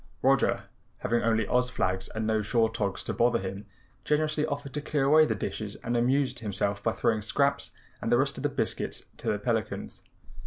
Roger, having only Oz flags and no shore togs to bother him, generously offered to clear away the dishes and amused himself by throwing scraps and the rest of the biscuits to the pelicans.